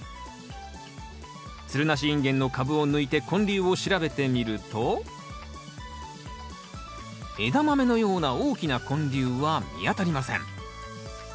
つるなしインゲンの株を抜いて根粒を調べてみるとエダマメのような大きな根粒は見当たりません。